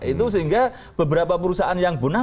itu sehingga beberapa perusahaan yang punah